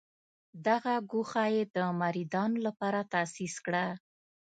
دغه ګوښه یې د مریدانو لپاره تاسیس کړه.